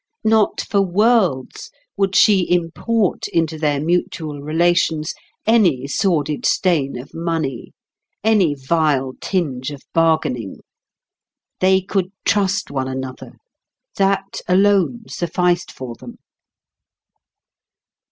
Not for worlds would she import into their mutual relations any sordid stain of money, any vile tinge of bargaining. They could trust one another; that alone sufficed for them.